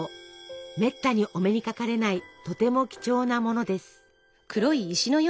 めったにお目にかかれないとても貴重なものです。